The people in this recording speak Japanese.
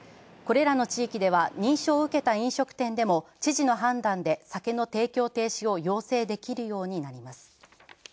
これらの地域では認証を受けた飲食店でも知事の判断で酒の提供停止を要請できるようになります。